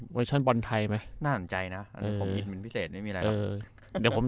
เวอร์ชันบอลไทยไหมน่าสนใจนะผมกินเป็นพิเศษไม่มีอะไรหรอก